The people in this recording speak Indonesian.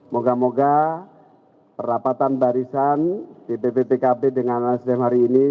moga moga perapatan barisan dpp pkb dengan nasdem hari ini